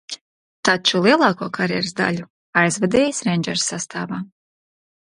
"Taču lielāko karjeras daļu aizvadījis "Rangers" sastāvā."